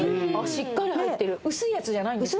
しっかり入ってる薄いやつじゃないんですね